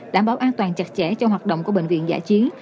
đảm bảo an toàn chặt chẽ cho hoạt động của bệnh viện giả chiến